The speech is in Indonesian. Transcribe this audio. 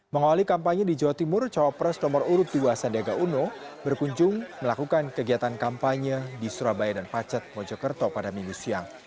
mengawali kampanye di jawa timur cawapres nomor urut dua sandiaga uno berkunjung melakukan kegiatan kampanye di surabaya dan pacet mojokerto pada minggu siang